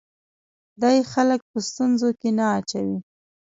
دی خلک په ستونزو کې نه اچوي.